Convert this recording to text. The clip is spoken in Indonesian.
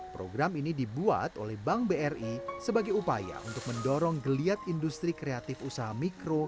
program ini dibuat oleh bank bri sebagai upaya untuk mendorong geliat industri kreatif usaha mikro